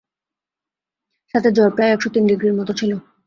সাথে জ্বর প্রায় একশো তিন ডিগ্রির মত ছিলো।